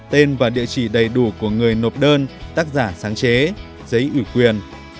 tên và địa chỉ đầy đủ của người nộp đơn tác giả sáng chế giấy ủy quyền